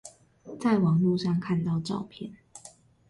在網路上看到照片